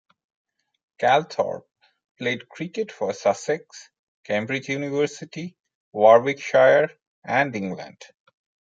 Calthorpe played cricket for Sussex, Cambridge University, Warwickshire and England.